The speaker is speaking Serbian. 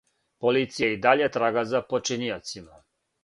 Полиција и даље трага за починиоцима.